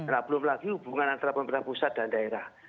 nah belum lagi hubungan antara pemerintah pusat dan daerah